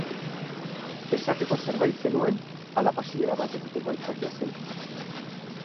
Esateko zerbait zenuen, ala pasiera bat egiteko aitzakia zen?